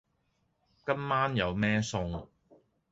今晚有咩餸？